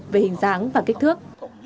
về hình dáng và kích thước